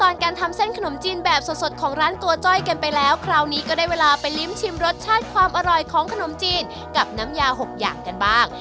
น้ำยาหกอย่างกันบ้าง